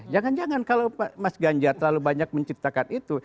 jangan jangan kalau mas ganjar terlalu banyak menciptakan itu